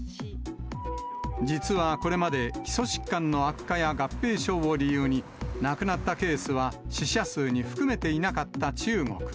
実はこれまで、基礎疾患の悪化や合併症を理由に亡くなったケースは死者数に含めていなかった中国。